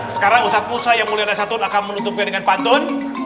sekarang usap usap yang mulia nasyatun akan menutupi dengan pantun